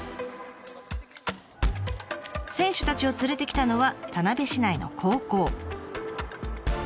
選手たちを連れてきたのは田辺市内の高校。